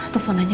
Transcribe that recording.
telfon aja deh